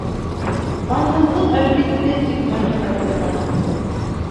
— Ҡанһыҙлыҡ, әлбиттә, тик мәрхәмәтле ҡанһыҙлыҡ.